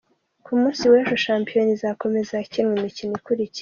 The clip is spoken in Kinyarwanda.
Ku munsi w’ejo shampiyona izakomeza hakinwa imikino ikurikira:.